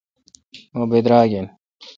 مہ براگ این